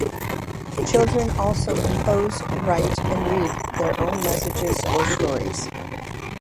Children also compose, write and read their own messages or stories.